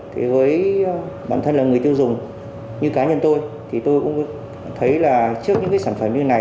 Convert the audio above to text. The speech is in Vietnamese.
thế với bản thân là người tiêu dùng như cá nhân tôi thì tôi cũng thấy là trước những cái sản phẩm như này